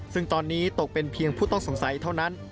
ซึ่งตอนนี้ตกเป็นเพียงผู้ต้องสงสัยเท่านั้น